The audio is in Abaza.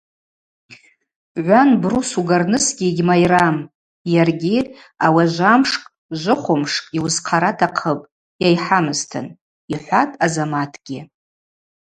Гӏван брус угарнысгьи йгьмайрам, йаргьи ауи ажвамшкӏ-жвыхвымшкӏ йуызхъара атахъыпӏ, йайхӏамызтын, – йхӏватӏ Азаматгьи.